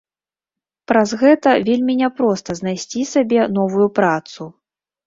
Праз гэта вельмі не проста знайсці сабе новую працу.